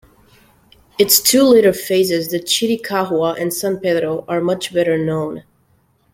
Its two later phases, the "Chiricahua" and "San Pedro", are much better known.